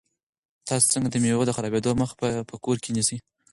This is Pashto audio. تاسو څنګه د مېوو د خرابېدو مخه په کور کې نیسئ؟